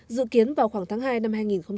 dự kiến vào khoảng tháng hai năm hai nghìn hai mươi